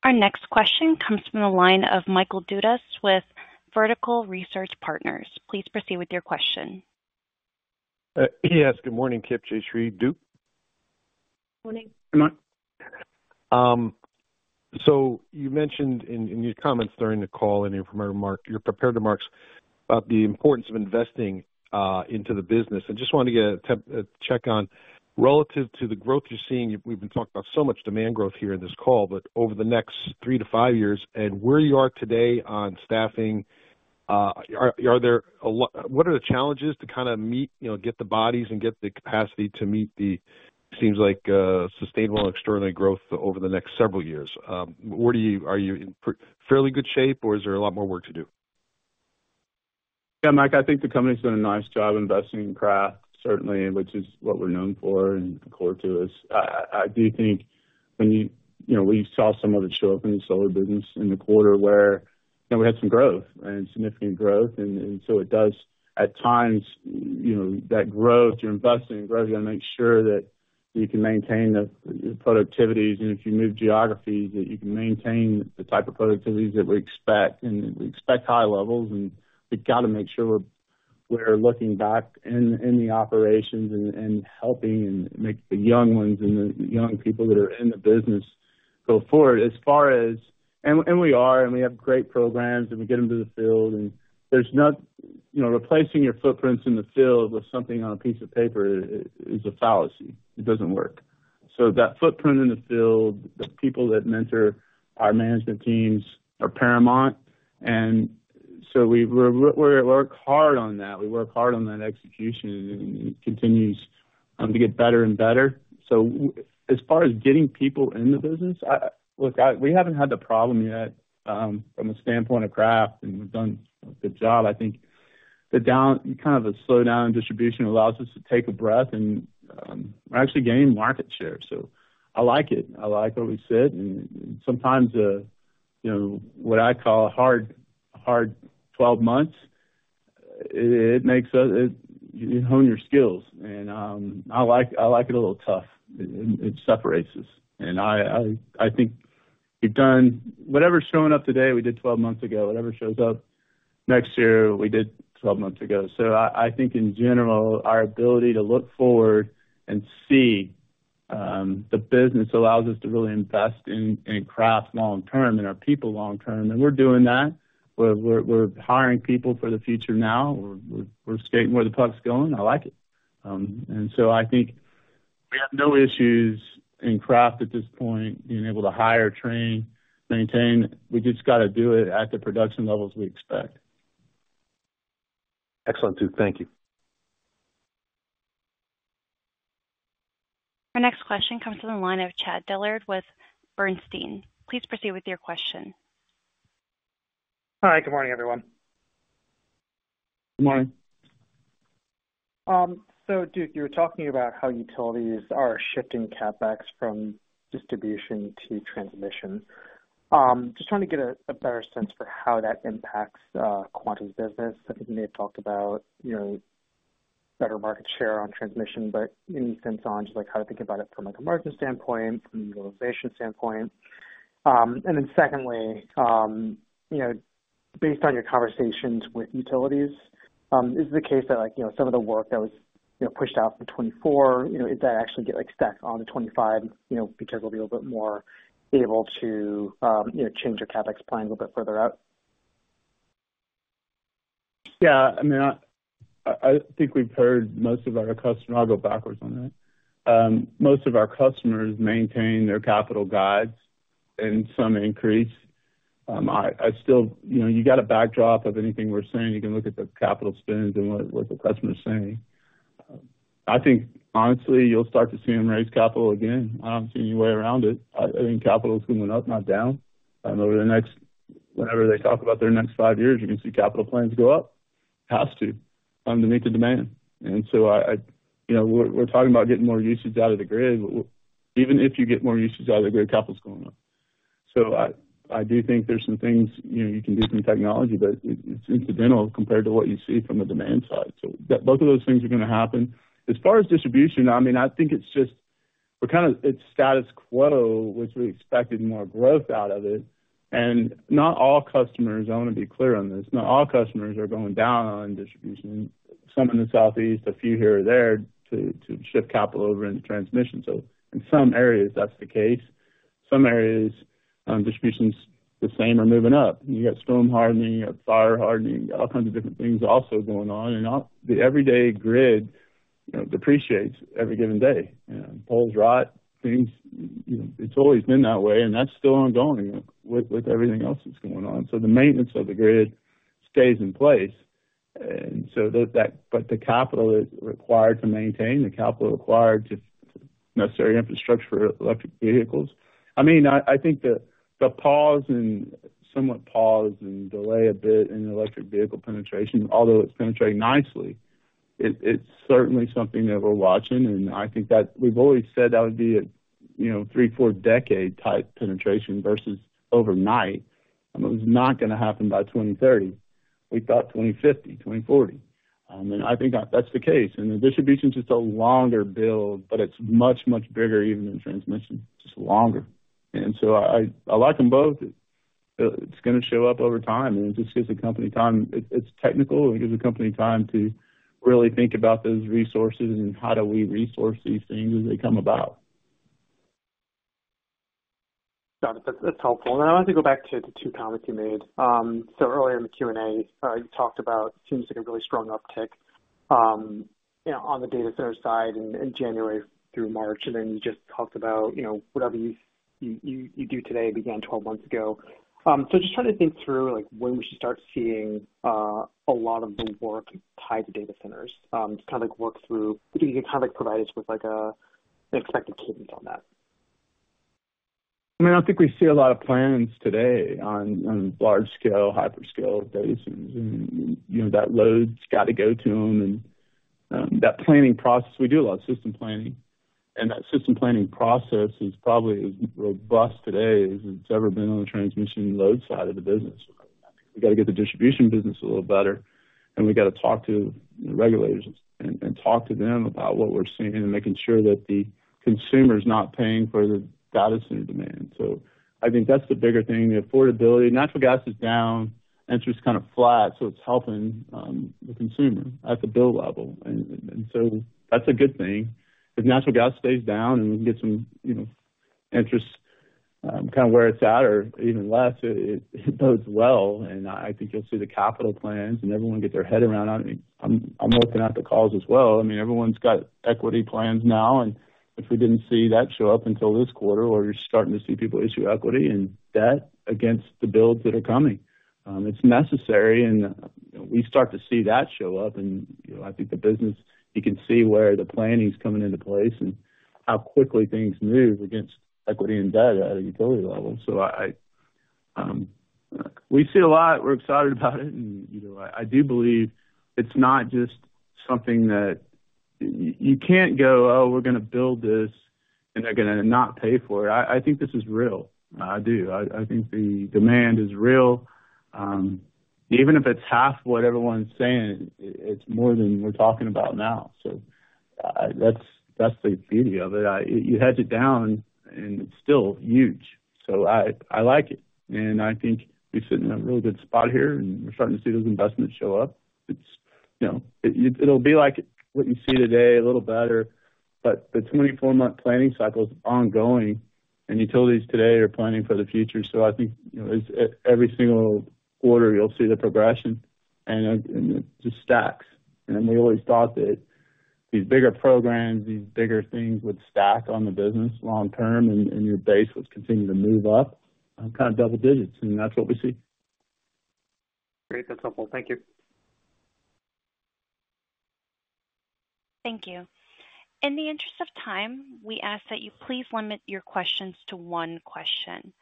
S1: Our next question comes from the line of Michael Dudas with Vertical Research Partners. Please proceed with your question.
S14: Yes. Good morning, Kip, Jayshree. Duke?
S4: Good morning.
S3: Good morning.
S14: So you mentioned in your comments during the call and your prepared remarks about the importance of investing into the business. I just wanted to get a check on relative to the growth you're seeing. We've been talking about so much demand growth here in this call, but over the next 3-5 years and where you are today on staffing, what are the challenges to kind of get the bodies and get the capacity to meet the, it seems like, sustainable and extraordinary growth over the next several years? Are you in fairly good shape, or is there a lot more work to do?
S3: Yeah, Mike, I think the company's done a nice job investing in craft, certainly, which is what we're known for and core to us. I do think when we saw some of it show up in the solar business in the quarter where we had some growth and significant growth. And so it does, at times, that growth, you're investing in growth, you got to make sure that you can maintain your productivities. And if you move geographies, that you can maintain the type of productivities that we expect. And we expect high levels, and we got to make sure we're looking back in the operations and helping and make the young ones and the young people that are in the business go forward as far as and we are, and we have great programs, and we get them to the field. Replacing your footprints in the field with something on a piece of paper is a fallacy. It doesn't work. So that footprint in the field, the people that mentor our management teams are paramount. And so we work hard on that. We work hard on that execution, and it continues to get better and better. So as far as getting people in the business, look, we haven't had the problem yet from a standpoint of craft, and we've done a good job. I think kind of a slowdown in distribution allows us to take a breath, and we're actually gaining market share. So I like it. I like where we sit. And sometimes what I call hard 12 months, it hone your skills. And I like it a little tough. It separates us. And I think we've done whatever's showing up today, we did 12 months ago. Whatever shows up next year, we did 12 months ago. So I think, in general, our ability to look forward and see the business allows us to really invest in craft long-term and our people long-term. And we're doing that. We're hiring people for the future now. We're skating where the puck's going. I like it. And so I think we have no issues in craft at this point, being able to hire, train, maintain. We just got to do it at the production levels we expect.
S14: Excellent, Duke. Thank you.
S1: Our next question comes from the line of Chad Dillard with Bernstein. Please proceed with your question.
S15: Hi. Good morning, everyone.
S3: Good morning.
S15: So, Duke, you were talking about how utilities are shifting CapEx from distribution to transmission. Just trying to get a better sense for how that impacts Quanta's business. I think you may have talked about better market share on transmission, but any sense on just how to think about it from a margin standpoint, from a utilization standpoint? And then secondly, based on your conversations with utilities, is it the case that some of the work that was pushed out from 2024, is that actually get stacked on to 2025 because we'll be a little bit more able to change our CapEx plan a little bit further out?
S3: Yeah. I mean, I think we've heard most of our customers. I'll go backwards on that. Most of our customers maintain their capital guides and some increase. You got a backdrop of anything we're saying. You can look at the capital spends and what the customer's saying. I think, honestly, you'll start to see them raise capital again. I don't see any way around it. I think capital is going up, not down. Over the next whenever they talk about their next five years, you can see capital plans go up. It has to to meet the demand. And so we're talking about getting more usage out of the grid. Even if you get more usage out of the grid, capital's going up. So I do think there's some things you can do from technology, but it's incidental compared to what you see from the demand side. So both of those things are going to happen. As far as distribution, I mean, I think it's just we're kind of it's status quo, which we expected more growth out of it. And not all customers I want to be clear on this. Not all customers are going down on distribution. Some in the Southeast, a few here or there to shift capital over into transmission. So in some areas, that's the case. Some areas, distribution's the same or moving up. You got storm hardening. You got fire hardening. You got all kinds of different things also going on. And the everyday grid depreciates every given day. Poles rot. It's always been that way. And that's still ongoing with everything else that's going on. So the maintenance of the grid stays in place. But the capital that's required to maintain, the capital required to necessary infrastructure for electric vehicles. I mean, I think the pause and somewhat pause and delay a bit in electric vehicle penetration, although it's penetrating nicely, it's certainly something that we're watching. I think that we've always said that would be a 3-4-decade-type penetration versus overnight. It was not going to happen by 2030. We thought 2050, 2040. And I think that's the case. And the distribution's just a longer build, but it's much, much bigger even than transmission. It's just longer. And so I like them both. It's going to show up over time. And it just gives the company time it's technical. It gives the company time to really think about those resources and how do we resource these things as they come about.
S15: Got it. That's helpful. And then I wanted to go back to the two comments you made. So earlier in the Q&A, you talked about it seems like a really strong uptick on the data center side in January through March. And then you just talked about whatever you do today began 12 months ago. So just trying to think through when we should start seeing a lot of the work tied to data centers, just kind of work through if you can kind of provide us with an expected cadence on that.
S3: I mean, I think we see a lot of plans today on large-scale, hyperscale data centers. And that load's got to go to them. And that planning process we do a lot of system planning. And that system planning process is probably as robust today as it's ever been on the transmission load side of the business. I think we got to get the distribution business a little better. And we got to talk to regulators and talk to them about what we're seeing and making sure that the consumer's not paying for the data center demand. So I think that's the bigger thing. The affordability, natural gas is down. Interest's kind of flat. So it's helping the consumer at the build level. And so that's a good thing. If natural gas stays down and we can get some interest kind of where it's at or even less, it bodes well. And I think you'll see the capital plans and everyone get their head around. I'm looking at the calls as well. I mean, everyone's got equity plans now. And if we didn't see that show up until this quarter or you're starting to see people issue equity and debt against the builds that are coming, it's necessary. And we start to see that show up. And I think the business you can see where the planning's coming into place and how quickly things move against equity and debt at a utility level. So we see a lot. We're excited about it. And I do believe it's not just something that you can't go, "Oh, we're going to build this, and they're going to not pay for it." I think this is real. I do. I think the demand is real. Even if it's half what everyone's saying, it's more than we're talking about now. So that's the beauty of it. You hedge it down, and it's still huge. So I like it. And I think we sit in a really good spot here, and we're starting to see those investments show up. It'll be like what you see today, a little better. But the 24-month planning cycle's ongoing. And utilities today are planning for the future. So I think every single quarter, you'll see the progression. And it just stacks. We always thought that these bigger programs, these bigger things would stack on the business long-term, and your base would continue to move up kind of double digits. That's what we see.
S15: Great. That's helpful. Thank you.
S1: Thank you. In the interest of time, we ask that you please limit your questions to one question.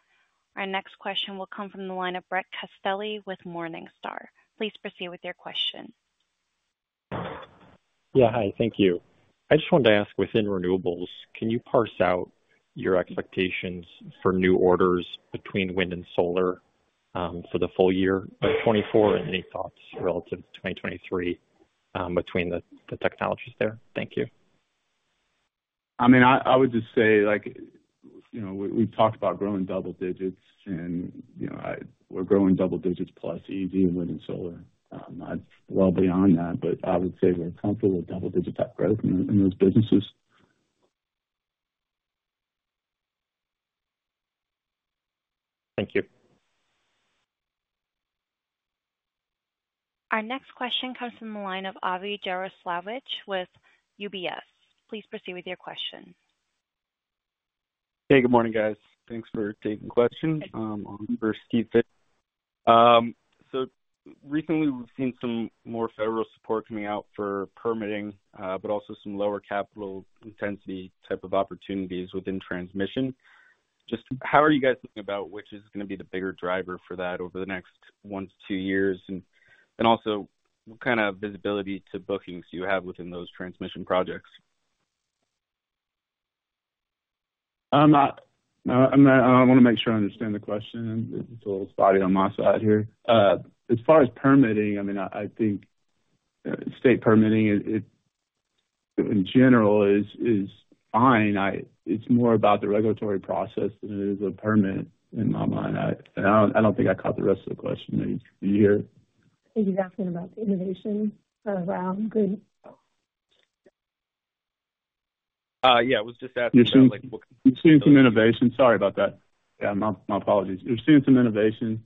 S1: Our next question will come from the line of Brett Castelli with Morningstar. Please proceed with your question.
S16: Yeah. Hi. Thank you. I just wanted to ask, within renewables, can you parse out your expectations for new orders between wind and solar for the full year of 2024 and any thoughts relative to 2023 between the technologies there? Thank you.
S3: I mean, I would just say we've talked about growing double digits. We're growing double digits plus EV and wind and solar. I'm well beyond that. I would say we're comfortable with double-digit-type growth in those businesses.
S16: Thank you.
S1: Our next question comes from the line of Avi Jaroslawicz with UBS. Please proceed with your question.
S17: Hey. Good morning, guys. Thanks for taking the question. I'm Mr. Steven Fisher. So recently, we've seen some more federal support coming out for permitting, but also some lower capital intensity type of opportunities within transmission. Just how are you guys thinking about which is going to be the bigger driver for that over the next 1-2 years? And also, what kind of visibility to bookings do you have within those transmission projects?
S3: I want to make sure I understand the question. It's a little spotty on my side here. As far as permitting, I mean, I think state permitting, in general, is fine. It's more about the regulatory process than it is a permit in my mind. And I don't think I caught the rest of the question. Did you hear?
S4: I think he's asking about the innovation around good.
S3: About?
S17: Yeah. I was just asking about what kind of.
S3: You're seeing some innovation. Sorry about that. Yeah. My apologies. You're seeing some innovation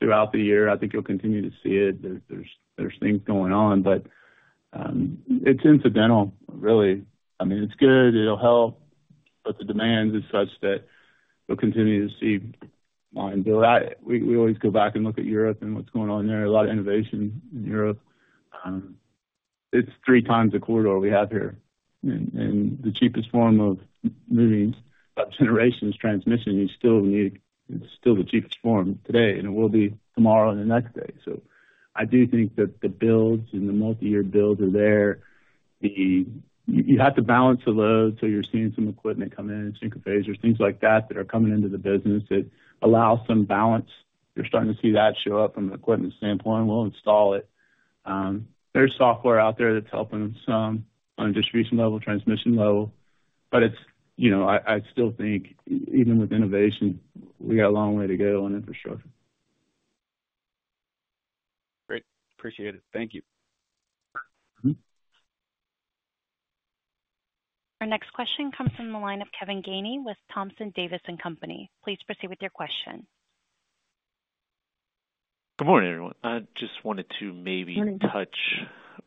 S3: throughout the year. I think you'll continue to see it. There's things going on. But it's incidental, really. I mean, it's good. It'll help. But the demand is such that you'll continue to see line build. We always go back and look at Europe and what's going on there. A lot of innovation in Europe. It's three times a quarter we have here. And the cheapest form of moving about generations transmission, you still need it's still the cheapest form today. And it will be tomorrow and the next day. So I do think that the builds and the multi-year builds are there. You have to balance the load. So you're seeing some equipment come in, synchrophasors, things like that that are coming into the business that allow some balance. You're starting to see that show up from an equipment standpoint. We'll install it. There's software out there that's helping some on a distribution level, transmission level. But I still think, even with innovation, we got a long way to go on infrastructure.
S17: Great. Appreciate it. Thank you.
S1: Our next question comes from the line of Kevin Gainey with Thompson Davis & Co. Please proceed with your question.
S18: Good morning, everyone. I just wanted to maybe touch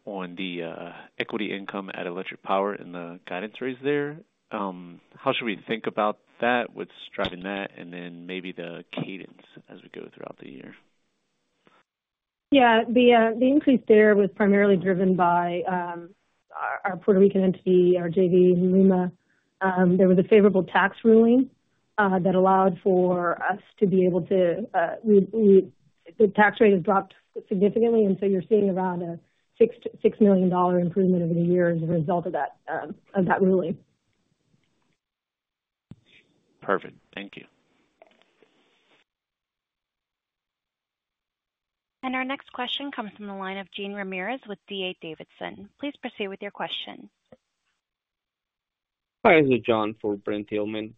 S18: on the equity income at Electric Power and the guidance raise there. How should we think about that, what's driving that, and then maybe the cadence as we go throughout the year?
S4: Yeah. The increase there was primarily driven by our Puerto Rican entity, our JV LUMA. There was a favorable tax ruling that allowed for us to be able to the tax rate has dropped significantly. And so you're seeing around a $6 million improvement over the year as a result of that ruling.
S18: Perfect. Thank you.
S1: Our next question comes from the line of Jean Ramirez with D.A. Davidson. Please proceed with your question.
S19: Hi. This is Jean for Brent Thielman.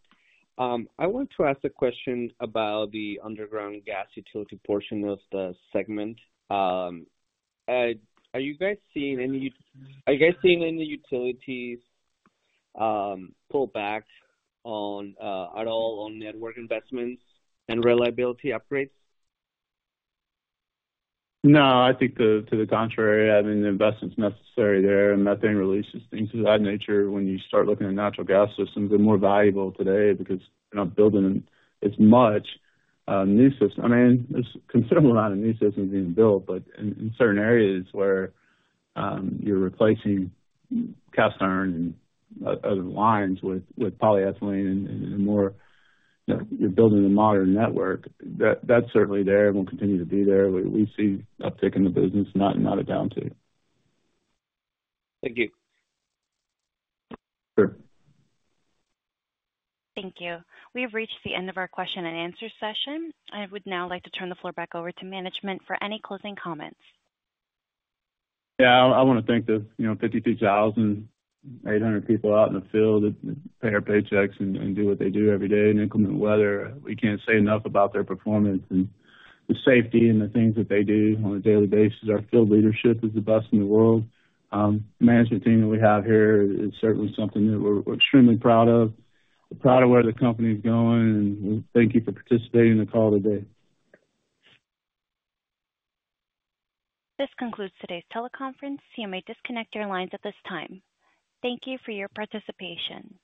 S19: I want to ask a question about the underground gas utility portion of the segment. Are you guys seeing any utilities pull back at all on network investments and reliability upgrades?
S3: No. I think, to the contrary, I mean, the investment's necessary there. And methane releases, things of that nature, when you start looking at natural gas systems, they're more valuable today because you're not building as much new systems. I mean, there's a considerable amount of new systems being built. But in certain areas where you're replacing cast iron and other lines with polyethylene and more, you're building a modern network, that's certainly there and will continue to be there. We see uptick in the business, not a downtick.
S19: Thank you.
S3: Sure.
S1: Thank you. We have reached the end of our question-and-answer session. I would now like to turn the floor back over to management for any closing comments.
S3: Yeah. I want to thank the 52,800 people out in the field that pay our paychecks and do what they do every day and inclement weather. We can't say enough about their performance and the safety and the things that they do on a daily basis. Our field leadership is the best in the world. The management team that we have here is certainly something that we're extremely proud of. We're proud of where the company's going. We thank you for participating in the call today.
S1: This concludes today's teleconference. You may disconnect your lines at this time. Thank you for your participation.